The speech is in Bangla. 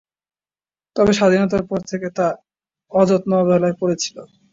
তবে স্বাধীনতার পর থেকে তা অযত্ন-অবহেলায় পড়ে ছিল।